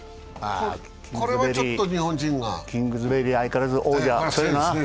これはちょっと日本人がキングズベリー相変わらず王者、強いな。